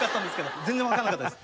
全然分かんなかったです。